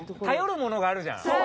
頼るものがあるじゃん！